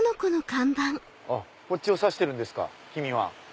あっこっちを指してるんですか君は。